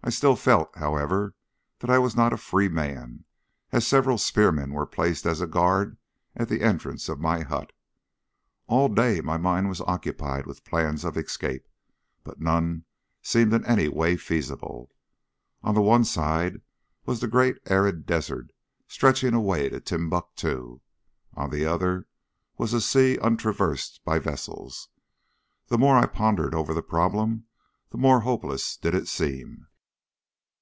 I still felt, however, that I was not a free man, as several spearmen were placed as a guard at the entrance of my hut. All day my mind was occupied with plans of escape, but none seemed in any way feasible. On the one side was the great arid desert stretching away to Timbuctoo, on the other was a sea untraversed by vessels. The more I pondered over the problem the more hopeless did it seem.